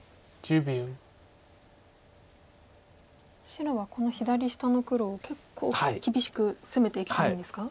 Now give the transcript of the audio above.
白はこの左下の黒を結構厳しく攻めていきたいんですか？